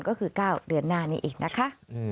ก็คือ๙เดือนหน้านี้อีกนะคะ